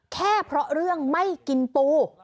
แค่เพราะเรื่องไม่กินปู